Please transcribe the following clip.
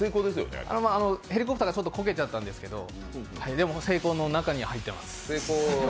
ヘリコプターがちょっとこけちゃったんですけど、でも成功の中に入ってます。